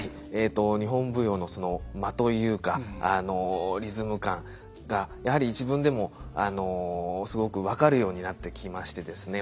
日本舞踊のその「間」というかリズム感がやはり自分でもすごく分かるようになってきましてですね。